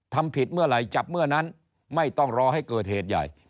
ทำผิดเมื่อไหร่จับเมื่อนั้นไม่ต้องรอให้เกิดเหตุใหญ่